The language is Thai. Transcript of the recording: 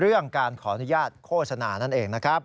เรื่องการขออนุญาตโฆษณานั่นเองนะครับ